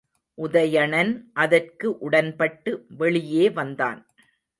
உதயணன் அதற்கு உடன்பட்டு வெளியே வந்தான்.